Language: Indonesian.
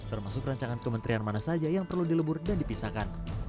termasuk rancangan kementerian mana saja yang perlu dilebur dan dipisahkan